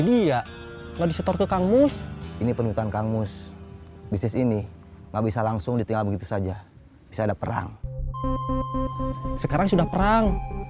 bisnis ini nggak bisa langsung ditinggal begitu saja bisa ada perang sekarang sudah perang